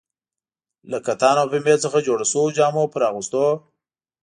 له کتان او پنبې څخه جوړو شویو جامو پر اغوستو.